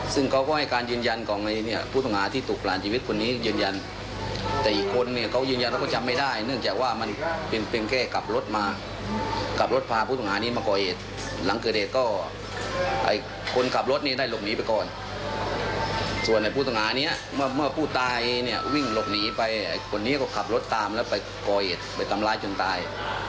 ส่วนผู้ตายวิ่งหลบหนีไปคนนี้ก็ขับรถตามแล้วไปก่อเหตุไปตำร้ายจนตาย